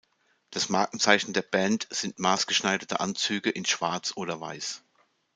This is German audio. Das Markenzeichen der Band sind maßgeschneiderte Anzüge in Schwarz oder Weiß.